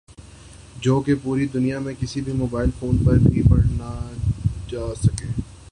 جو کہ پوری دنیا میں کِسی بھی موبائل فون پر بھی پڑھنا جاسکیں